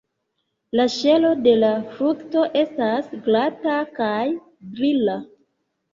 La ŝelo de la frukto estas glata kaj brila.